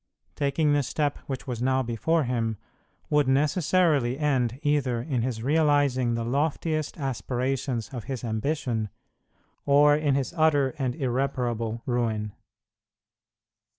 Taking the step which was now before him would necessarily end either in his realizing the loftiest aspirations of his ambition, or in his utter and irreparable ruin.